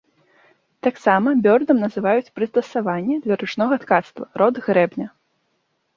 Таксама бёрдам называюць прыстасаванне для ручнога ткацтва, род грэбня.